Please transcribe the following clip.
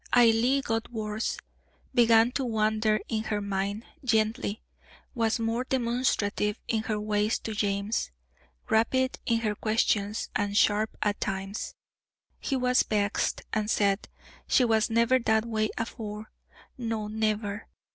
Ailie got worse; began to wander in her mind, gently; was more demonstrative in her ways to James, rapid in her questions, and sharp at times. He was vexed, and said, "She was never that way afore; no, never."